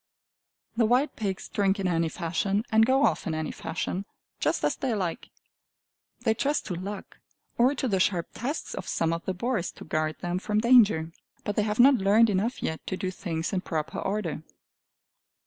The wild pigs drink in any fashion, and go off in any fashion just as they like. They trust to luck or to the sharp tusks of some of the boars to guard them from danger. But they have not learned enough yet to do things in proper order.